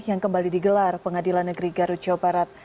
yang kembali digelar pengadilan negeri garut jawa barat